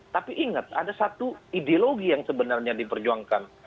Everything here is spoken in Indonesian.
tapi ingat ada satu ideologi yang sebenarnya diperjuangkan